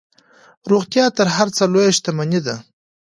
روغتیا تر هر څه لویه شتمني ده.